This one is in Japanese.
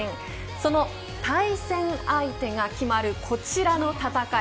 その対戦相手が決まるこちらの戦い。